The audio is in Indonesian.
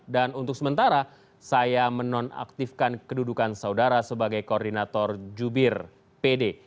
dan untuk sementara saya menonaktifkan kedudukan saudara sebagai koordinator jubir pd